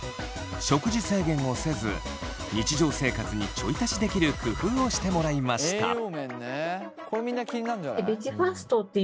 食事制限をせず日常生活にちょい足しできる工夫をしてもらいました。